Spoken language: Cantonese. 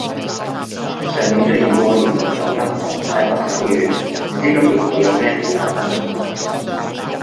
上年出現過熒惑守心同太白守月，唔知今年會有咩事發生